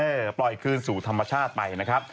ปล่อยคืนสู่ธรรมชาติไปนะครับ